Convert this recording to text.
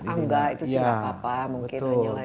enggak itu sudah apa apa mungkin hanya lagi